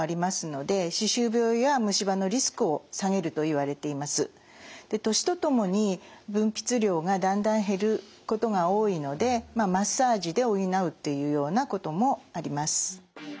抗菌作用もありますし年とともに分泌量がだんだん減ることが多いのでマッサージで補うというようなこともあります。